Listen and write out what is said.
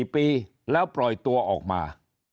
๔ปีแล้วปล่อยตัวออกมา